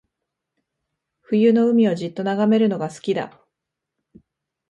冬の海をじっと眺めるのが好きだ